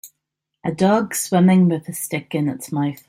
A dog swimming with a stick in its mouth